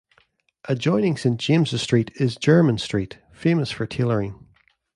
Adjoining Saint James's Street is Jermyn Street, famous for tailoring.